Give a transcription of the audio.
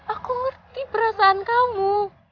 aku ngerti perasaan kamu